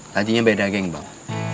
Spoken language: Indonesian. tadinya beda geng bang